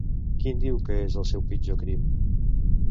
Quin diu que és el seu pitjor crim?